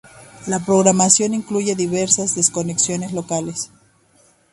La programación incluye diversas desconexiones locales.